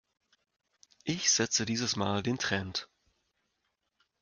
Ich setze dieses Mal den Trend.